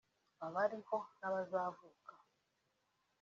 abariho n’abazavuka